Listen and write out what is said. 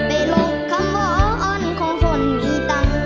ไปลงคำว้อนของฝนมีตัง